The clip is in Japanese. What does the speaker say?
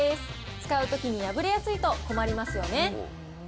使うときに破れやすいと困りますよね。